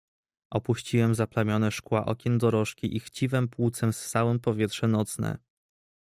"Opuściłem zaplamione szkła okien dorożki i chciwem płucem ssałem powietrze nocne."